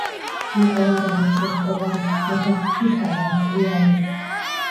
იყო არაბეთს როსტევან მეფე ღვრთისაგან სვიანი